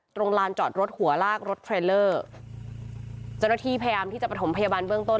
ลานจอดรถหัวลากรถเทรลเลอร์เจ้าหน้าที่พยายามที่จะประถมพยาบาลเบื้องต้น